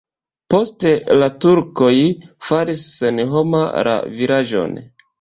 Poste la turkoj faris senhoma la vilaĝon.